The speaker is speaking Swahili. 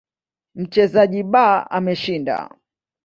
Mchezaji B ameshinda.